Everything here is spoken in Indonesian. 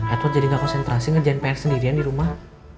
edward jadi gak konsentrasi ngerjain pr sendirian di rumah